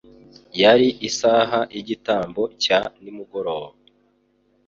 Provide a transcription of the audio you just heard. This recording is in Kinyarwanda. Yari isaha y'igitambo cya nimugora.